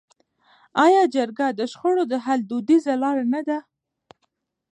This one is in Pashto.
آیا جرګه د شخړو د حل دودیزه لاره نه ده؟